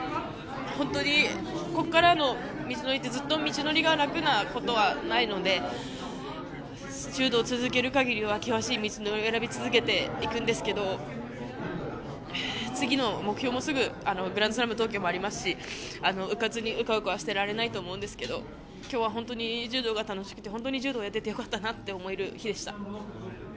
本当に、ここからの道のりが楽なことはないので柔道を続ける限りは険しい道のりを選び続けていくんですが次の目標もすぐグランドスラム東京もありますしうかつにうかうかしていられないと思うんですが本当に柔道が楽しくて本当に柔道をやっていてよかったなと思える日でした。